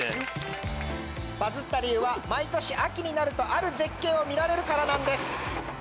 バズった理由は毎年秋になるとある絶景を見られるからなんです。